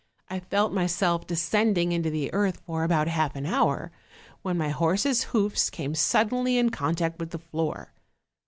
I felt myself descending into the earth for about half an hour, when my horse's hoofs came sud denly in contact with the floor.